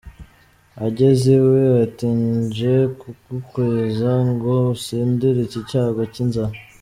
Ageze iwe, ati “Nje kugukeza ngo unsindire iki cyago cy’inzara.